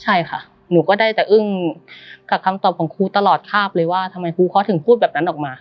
ใช่ค่ะหนูก็ได้แต่อึ้งกับคำตอบของครูตลอดคาบเลยว่าทำไมครูเขาถึงพูดแบบนั้นออกมา